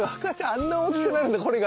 あんな大きくなるんだこれが。